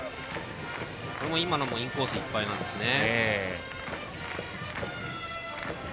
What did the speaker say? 今のもインコースいっぱいですね。